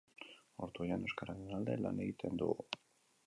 Ortuellan, euskararen alde lan egiten dugu